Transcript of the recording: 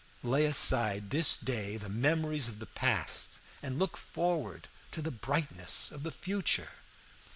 Lay aside this day the memories of the past, and look forward to the brightness of the future.